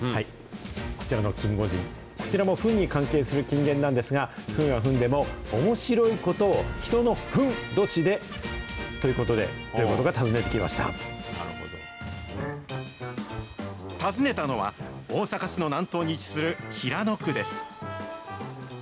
こちらのキンゴジン、こちらもフンに関係する金言なんですが、ふんはふんでもおもしろいことを人のふんどしでということで、訪ねたのは、大阪市の南東に位置する平野区です。